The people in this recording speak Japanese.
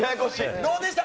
どうでしたか？